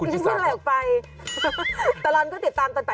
ตรรรณ์ก็ติดตามตั้งแต่๘๓๐